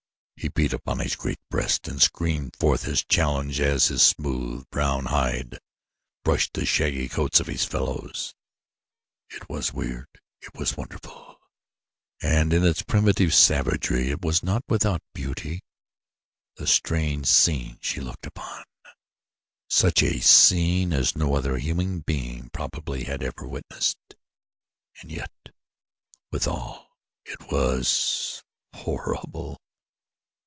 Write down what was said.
He beat upon his great breast and screamed forth his challenge as his smooth, brown hide brushed the shaggy coats of his fellows. It was weird; it was wonderful; and in its primitive savagery it was not without beauty the strange scene she looked upon, such a scene as no other human being, probably, ever had witnessed and yet, withal, it was horrible.